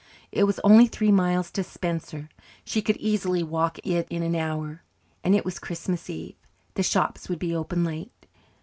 It was only three miles to Spencer; she could easily walk it in an hour and, as it was Christmas Eve, the shops would be open late.